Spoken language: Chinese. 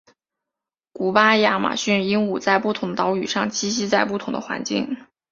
古巴亚马逊鹦鹉在不同的岛屿上栖息在不同的环境。